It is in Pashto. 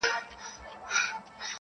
سرکښي یې له ازله په نصیب د تندي سوله,